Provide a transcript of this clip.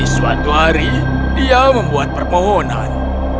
suatu hari dia membuat permohonan